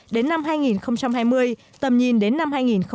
đến năm hai nghìn hai mươi tầm nhìn đến năm hai nghìn ba mươi